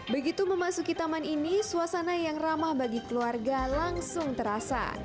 begitu memasuki taman ini suasana yang ramah bagi keluarga langsung terasa